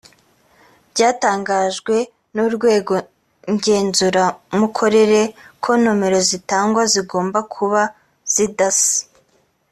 byatangajwe n urwego ngenzuramikorere ko nomero zitangwa zigomba kuba zidasa